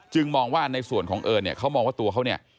มองว่าในส่วนของเอิญเนี่ยเขามองว่าตัวเขาเนี่ย